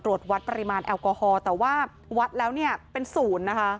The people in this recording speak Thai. ตรวจวัดปริมาณแอลกอฮอล์แต่ว่าวัดแล้วเนี่ยเป็นศูนย์นะคะ